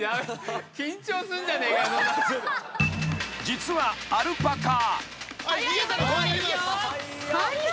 ［実はアルパカ］